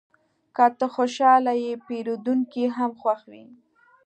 که ته خوشحاله یې، پیرودونکی هم خوښ وي.